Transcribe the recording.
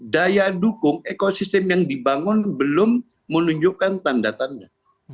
daya dukung ekosistem yang dibangun belum menunjukkan tanda tanda